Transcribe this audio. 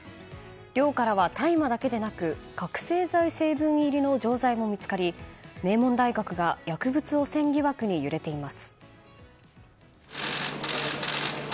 寮からは大麻だけでなく覚醒剤成分入りの錠剤も見つかり、名門大学が薬物汚染疑惑に揺れています。